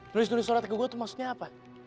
nulis nulis surat ke gue tuh maksudnya apa